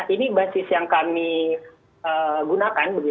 ini basis yang kami gunakan